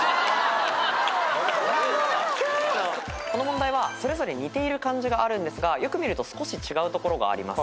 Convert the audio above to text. この問題はそれぞれ似ている漢字があるんですがよく見ると少し違うところがあります。